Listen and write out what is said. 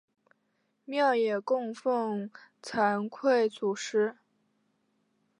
庙也供俸惭愧祖师。